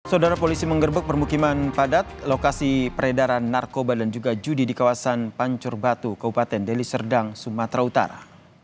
saudara polisi menggerbek permukiman padat lokasi peredaran narkoba dan juga judi di kawasan pancur batu kabupaten deli serdang sumatera utara